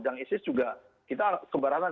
yang isis juga kita kebarangan